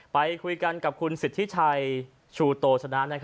ไปคุยกันกับคุณสิทธิชัยชูโตชนะ